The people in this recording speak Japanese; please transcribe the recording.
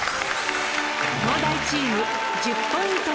東大チーム１０ポイント